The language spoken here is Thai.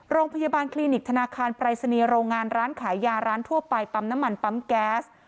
โรงพยาบาลคลินิกธนาคารปรายศนีย์โรงงานร้านขายยาร้านทั่วไปปั๊มน้ำมันปั๊มแก๊ส